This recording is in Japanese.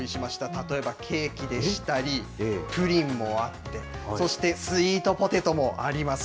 例えばケーキでしたり、プリンもあって、そして、スイートポテトもあります。